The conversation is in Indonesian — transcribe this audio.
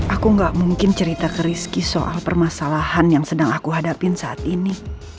aku gak mungkin cerita ke rizky soal permasalahan yang sedang aku hadapin saat ini